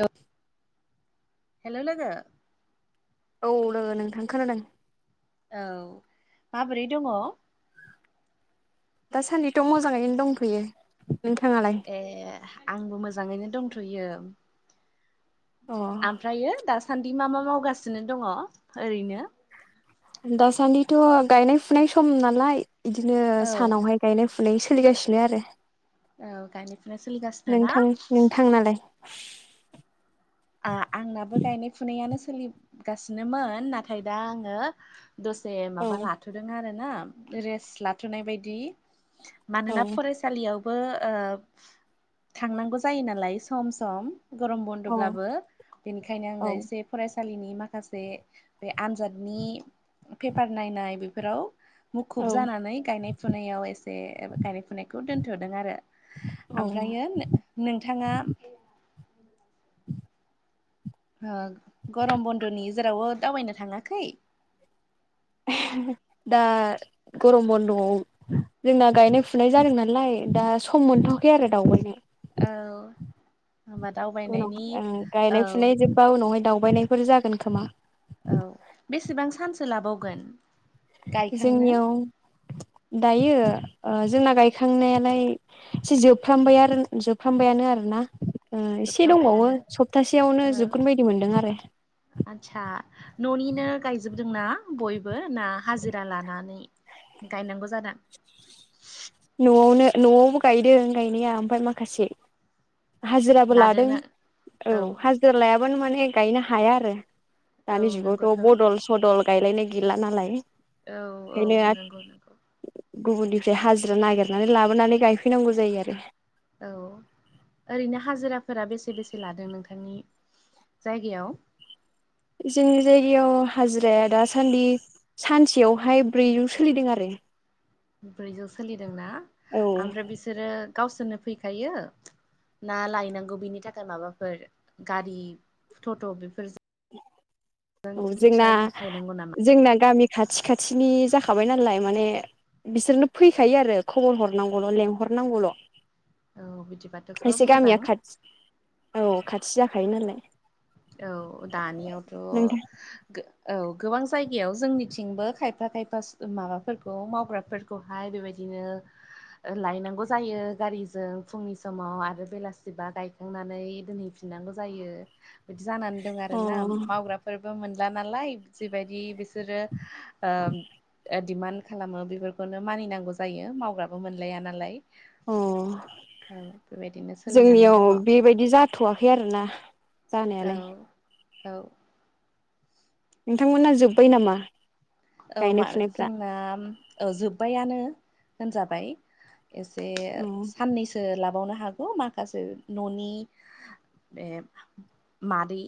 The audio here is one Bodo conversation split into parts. हेल हेल' लोगो औ लोगो नोंथां खोनादों औ माबोरै दङ' दासान्दिथ' मोजाङैनो दंथ'यो नोंथाङालाय ए आंबो मोजाङैनो दंथ'यो अ ओमफ्रायो दासान्दि मा मा मावगासिनो दङ' ओरैनो दासान्दिथ' गायनाय फुनाय सम नालाय बिदिनो औ औ सानावहाय गायनाय फुनाय सोलिगासिनो आरो गायनाय फुनाय सोलिगासिनो ना नोंथां नोंथां नालाय आ आंनाबो गायनाय फुनायानो सोलिगासिनोमोन नाथाय दा आङो दसे औ माबा लाथ'दों आरो ना रेस्ट लाथ'नाय बायदि औ मानोना फरायसा लियावबो ओ थांनांगौ जायो नालाय सम सम गरम बन्द औ लाबो बेनिखायनो आङो औ एसे फरायसालिनि माखासे बे आनजादनि पेपार नायनाय बिफोराव मुखुब औ जानानै गायनाय फुनायाव एसे गायनाय फुनायखौ दोनथ'दों आरो औ ओमफ्रायो नो- नोंथाङा [inaudible] ओ गरम बन्द'नि जेरावबो दावबायनो थाङाखै [inaudible] दा गरम बन्द'आव जोंना गायनाय फुनाय जादों नालाय दा सम मोनथ'वाखै आरो दावबायनो औ होनबा दावबायनायनि औ बा उनावहाय दावबायनायफोर जागोन खोमा औ बेसेबां सानसो लाबावगोन गायखांनो जोंनियाव दायो ओ जोंना गायखांनायालाय एसे जोबफ्रामबाय आरो जोबफ्रामबायानो आरना ओ एसे दंबावो जोबफ्रामबायानो सप्तासेयावनो जोबगोन बायदि मोनदों आरो आतसा न'निना गायजोबदोंना बयबो ना हाजिरा लानानै गायनांगौ जादों न'आवनो न'आवबो गायदों गायनाया ओमफ्राय माखासे हाजिराबो लादों लादेरनो औ हाजिरा लायाबानो माने गायनो हाया आरो औ दानि नंगौथ' जुगावथ' बदल सदल गायलायनाय गैला नालाय। औ औ ओंखायनो नंगौ नंगौ गुबुननिफ्राय हाजिरा नागिरनानै लाबोनानै गायफैनांगौ जायो आरो औ ओरैनो हाजिराफोरा बेसे बेसे लादों नोंथांनि जायगायाव जोंनि जायगायाव हाजिराया दासानदि सानसेयावहाय ब्रैजौ सोलिदों आरो ब्रैजौ सोलिदोंना औ ओमफ्राय बिसोरो गावसोरनो फैखायो ना लायनांगौ बेनि थाखाय माबाफोर गारि थट' बेफोरजों औ जोंना रिक्साजों लायनांगौ नामा जोंना गामि खाथि खाथिनि जाखाबाय नालाय माने बिसोरनो फैखायो आरो खबर हरनांगौल' लेंहरनांगौल' औ बिदिबाथ' खोब एसे गामिया मोजां खाथि औ खाथि जाखायो नालाय औ दानियावथ' नोंथां औ गोबां जायगायाव जोंनिथिंबो खायफा खायफा माबाफोरखौ मावग्रा फोरखौहाय बेबायदिनो लायनांगौ जायो गारिजों फुंनि समाव आरो बेलासिबा गाय बुंनानै दोनहैफिननांगौ जायो बिदि जानानै दं आरो अ ना मावग्राफोरबो मोनला नालाय जिबायदि बे बिसोरो ओ दिमान्ड खालामो बेफोरखौनो मानिनांगौ जायो मावग्राबो मोनलाया नालाय अ औ बेबायदिनो सोलिनानै जोंनियाव दङ बेबायदि जाद थ'वाखै आरो ना औ औ नोंथां मोनना जोब्बाय नामा औ गायनाय मा फुनायफ्रा जोंना जोबबायानो होनजाबाय एसे औ साननैसो लाबावनो हागौ माखासे न'नि बे मादै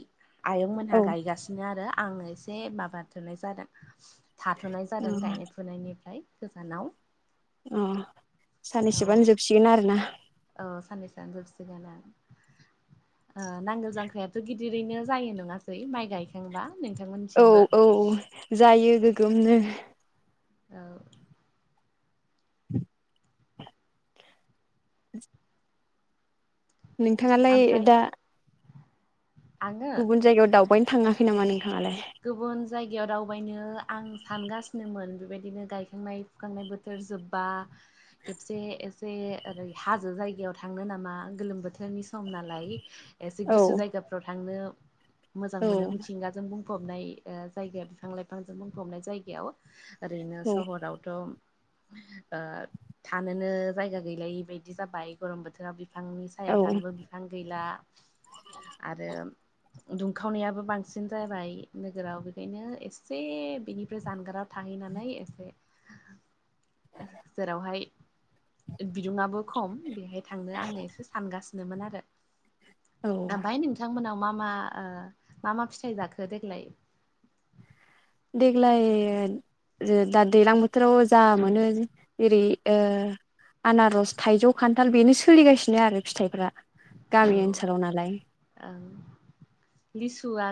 आयंमोनहा औ गायगासिनो आरो आङो एसे माबा थोनाय जादों थाथ'नाय अ जादों गायनाय फुनायनिफ्राय गोजानाव ओम औ साननैसोबानो जोबसिगोन आरोना औ साननैसोआवनो जोबसिगोन ना ओ नांगोल जांख्रायाथ' गिदिरैनो जायो नङासै माइ गायखांबा नों औ औ जायो गोगोमनो औ ओम [unintelligible] [unintelligible] नोंथाङालाय ओमफ्राय दा आङो गुबुन जायगायाव दावबायनो थाङाखै नामा नोंथाङालाय गुबुन जायगायाव दावबायनो आं सानगासिनोमोन बेबायदिनो गायखांनाय फोखांनाय बोथोर जोबबा खेबसे एसे ओरै हाजो जायगायाव थांनो नामा गोलोम बोथोरनि सम नालाय एसे औ गुसु जायगाफ्राव थांनो मोजां औ मोनो मिथिंगाजों बुं बुंफबनाय ओ जायगा बिफां लाइफांजों बुंफबनाय जायगायाव ओरैनो औ सहरावथ' ओ थानोनो जायगा गैलायि बायदि जाबाय गरम बोथोराव बे बिफांनि सायाव थानोबो बिफां गैला आरो दुंखावनायाबो बांसिन जाबाय नोगोराव बेखायनो एसे बेनिफ्राय जानगाराव थाहैनानै एसे जेरावहाय बिदुंआबो खम बेहाय थांनो आङो एसे सानगोन नो आरो औ ओमफ्राय नोंथांमोनाव मा मा ओ [unintelligible] मा मा फिथाइ जाखो देग्लाय देग्लाय दा दैज्लां बोथोराव जा मोनो जेरै आनारस थाइजौ खान्थाल बेनो सोलिगासिनो आरो फिथाइफ्रा गामि ओनसोलाव नालाय औ लिसुआ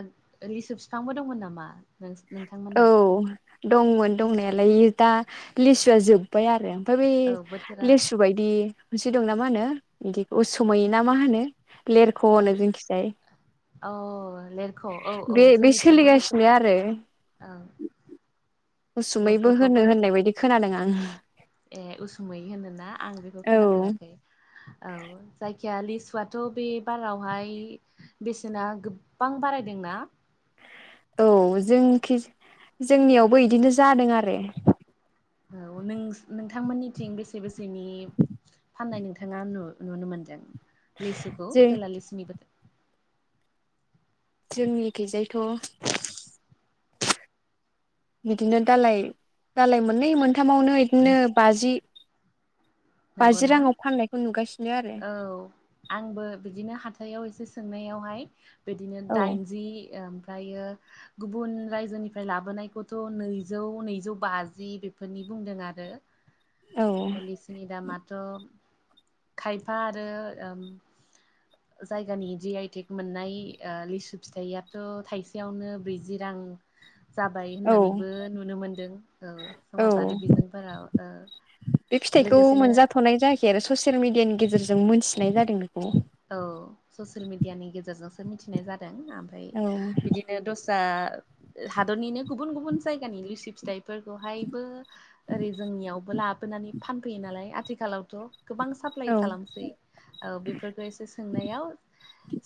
लिसु बिफांबो दंमोन नामा नों [unintelligible] नोंथांमोना औ दंमोन दंनायालाय दा लिसुआ जोब्बाय आरो ओमफ्राय बे औ बोथोरा लेसु बायदि मोनसे दंना मा होनो बिदि उसुमै ना मा होनो लेरख होनो बे जोंखिजाय [unintelligible] औ लेरख' औ औ बे बे जोंनिथिंबो सोलिगासिनो आरो लेरख'खोनो औ उसुमैबो लेरख'खौबो होनो होननाय बायदि खोनादों आं ए उसुमै होनो ना आं बेखौ औ खोनाफेराखै औ जायखिया लिसुआथ' बे बारावहाय बेसेना गोबां बारायदों ना औ जोंकि जोंनिआवबो इदिनो जादों आरो औ नों नोंथांमोननिथिं बेसे बेसेनि फाननाय नोंथां नोंथांआ नुनो मोनदों लिसुखौ जे जेला लिसुनि बोथोर जोंनिखैजायथ' [unintelligible] बिदिनो दालाय दालाय मोननै मोनथामावनो इदिनो बाजि नोंगौ बाजि ना राङाव फाननायखौ नुगासिनो आरो औ आंबो बिदिनो हाथायाव एसे सोंनायावहाय बिदिनो औ दाइनजि ओ आमफ्रायो हो गुबुन रायजोनिफ्राय लाबोनायखौथ' नैजौ नैजौ बाजि बेफोरनि बुंदों आरो दोनै जोंनि दामाथ' खायफा आरो उम जायगानि जि आइ टेक मोननाय ओ लिसु फिथाइआथ' थाइसेआवनो ब्रैजि रां जाबाय औ होननानैबो नुनो मोनदों ओ औ समाजारि बिजोंफोरा बे फिथाइखौ मोनजाथ'नाय जायाखै आरो ससियेल मिडिआनि गेजेरजों मोनथिनाय जादों बेखौ औ ससियेल मिडियानि गेजेरजोंसो मिथिनाय जादों आमफ्राय औ बिदि दस्रा हादोरनिनो गुबुन गुबुन जायगानि लुसि फिथाइफोरखौहायबो ओरै जोंनिआवबो लाबोनानै फानफैयो नालाय आथिखालावथ' गोबां साप्लाइ औ खालामसै औ बेफोरखौ एसे सोंनायाव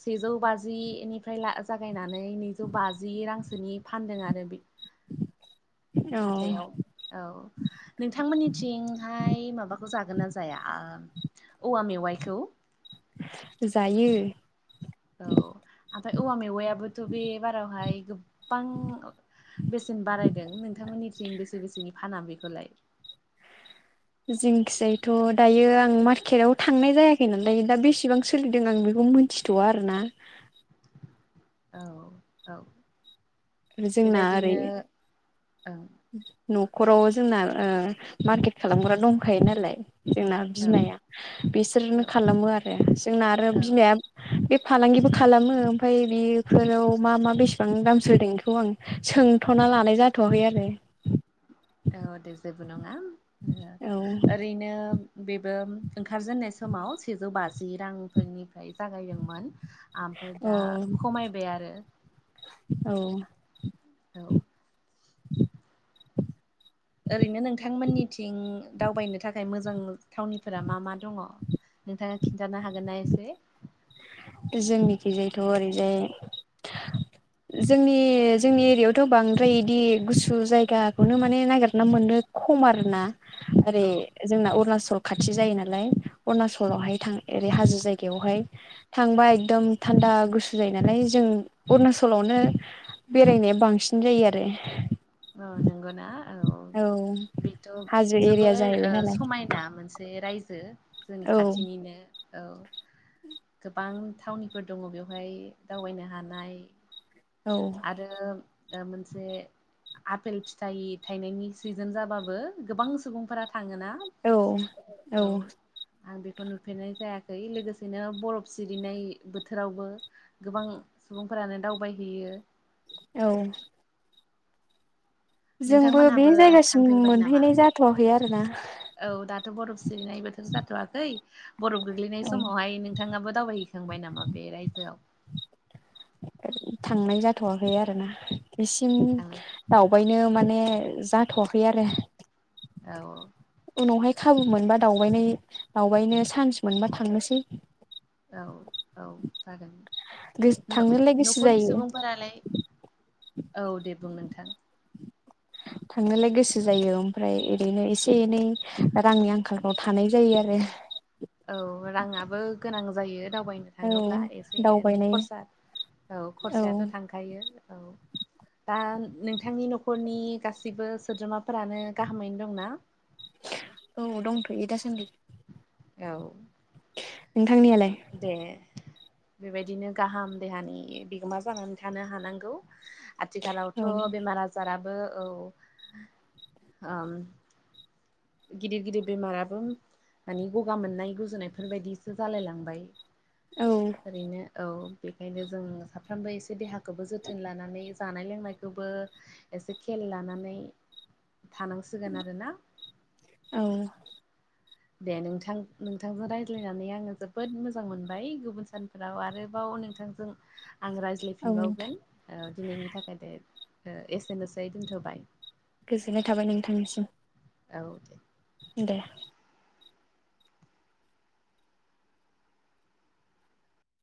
सेजौ बाजिनिफ्राय ला जागायनानै नैजौ बाजि रांसोनि फानदों आरो बे औ हाथाइआव औ नोंथांमोननिथिंहाय माबाखौ जागोन ना जाया ओ औवा मेवाइखौ जायो औ आमफाय औवा मेवायाबोथ' बे बारावहाय गोबां बेसेन बारायदों नोंथांमोनिथिं बेसे बेसेनि फाना बेखौलाय जिंखिजायथ' दायो आं मार्केट आव थांनाय जायाखै नालाय दा बेसेबां सोलिदों आं बेखौ मिथि थ'वा आरो ना औ औ जोंना ओरै बेबायदिनो औ न'खराव जोंना ओ मारकेट खालामग्रा दंखायो नालाय जोंना औ बिमाया बिसोरनो औ खालामो आरो जोंना आरो औ बिमाया बे फालांगिबो खालामो आमफ्राय बि बेफोराव मा मा बेसेबां दामसो होदों बेखौ आं सोंथ'ना लानाय जाथ'वाखै आरो ओ दे जेबो नङा औ ओरैनो बेबो ओंखारजेननाय समाव सेजौ बाजि रांफोरनि आमफाय जागायदोंमोन आमफाय औ दा खमायबाय आरो औ औ ओरैनो नोंथांमोनिथिं दावबायनो थाखाय मोजां थावनिफोरा मा मा दङ? नोंथांख खिन्थानो हागोन ना एसे जोंनिथिंजायथ' ओरैजाय [inaudible] जोंनि जोंनि एरियाआवथ' बांद्राय इदि गुसु जायगाखौनो माने नागिरना मोनो खम आरोना ओरै औ जोंना अरुनाचल खाथि जायो नालाय अरुणाचलावहाय थां ओरै हाजो जायगायावहाय थांबा एकदम थान्दा गुसु जायो नालाय जों अरुणाचलावनो बेरायनाया बांसिन जायो आरो ओ नंगौना औ बेथ' हाजो एरिया जोबोर ओ जाहैबाय समायना नालाय समायना मोनसे रायजो जोंनि औ खाथिनिनो औ गोबां थावनिफोर दङ बेवहाय दावबायनो हानाय औ आरो मोनसे आपेल फिथाइ थाइनायनि सिजोन जाबाबो गोबां सुबुंफोरा थाङोना औ औ आं बेखौ नुफेरनाय जायाखै लोगोसेनो बरफ सिरिनाय बोथोरावबो गोबां सुबुंफोरानो दावबायहैयो। औ जोंबो बे नोंथांमोनहाबो जायगासिम थांफेरबाय नामा? मोनहैनाय जाथ'वाखै आरोना औ दाथ' बरफ सिरिनाय बोथोर जाथ'वाखै बरफ गोग्लैनाय औ समावहाय नोंथाङाबो दावबायहैखांबाय नामा बे रायजोआव थांनाय जाथ'वाखै आरोना बिसिम थांनो दावबायनो माने जाथ'वाखै आरो औ उनावहाय खाबु मोनबा दावबायनाय दावबायनो चान्स मोनबा थांनोसै औ औ जागोन थांनोलाय गोसो न'खरनि जायो सुबुंफोरालाय औ दे बुं नोंथां थांनोलाय गोसो जायो ओमफ्राय ओरैनो एसे एनै रांनि आंखालफ्राव थानाय जायो आरो औ राङाबो गोनां जायो दावबायनो औ थाङोब्ला एसे एनै दावबायनाय खरसा औ खरसायाथ' थांखायो औ दा नोंथांनि न'खरनि गासिबो सोद्रोमाफोरानो गाहामैनो दंना औ दंथ'यो दासान्दि औ नोंथांनियालाय? दे बे बायदिनो गाहाम देहानि बिगोमा जानानै थानो हानांगौ। औ आथिखालावथ' बेमार आजाराबो औ गिदिर गिदिर बेमाराबो माने गगा मोननाय गुजुनायफोरबायायदिसो जालाय लांबाय औ ओरैनो औ बेखायनो जों साफ्रामबो एसे देहाखौबो जोथोन लानानै जानाय लोंनायखौबो एसे खेल लानानै थानांसिगोन आरो ना औ दे नोंथां नोंथांजों रायज्लायनानै आङो जोबोद मोजां मोनबाय गुबुन सान राव आरोबाव नोंथांजों आं औ रायलायफिनबावगोन दिनैनि थाखाय दे एसेनोसै दोनथ'बाय गोजोननाय थाबाय नोंथांनिसिम औ दे दे